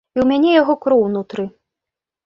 І ў мяне яго кроў унутры.